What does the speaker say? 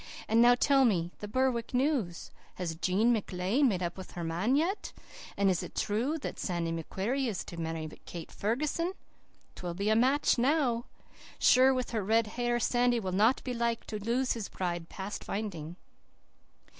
And now tell me the Berwick news. Has Jean McLean made up with her man yet? And is it true that Sandy McQuarrie is to marry Kate Ferguson? 'Twill be a match now! Sure, with her red hair, Sandy will not be like to lose his bride past finding.